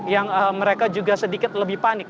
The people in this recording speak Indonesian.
yang mereka juga sedikit lebih panik